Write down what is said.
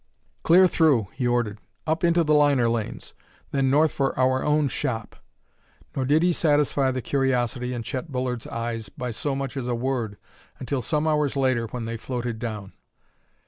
"Clear through," he ordered; "up into the liner lanes; then north for our own shop." Nor did he satisfy the curiosity in Chet Bullard's eyes by so much as a word until some hours later when they floated down.